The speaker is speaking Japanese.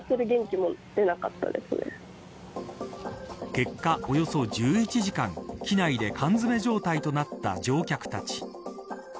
結果、およそ１１時間機内で缶詰め状態となった乗客たち。